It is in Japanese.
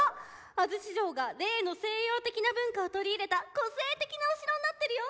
安土城が例の西洋的な文化を取り入れた個性的なお城になってるよ。